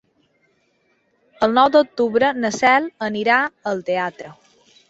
El nou d'octubre na Cel anirà al teatre.